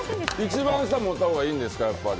一番下持ったほうがいいんですか、やっぱり。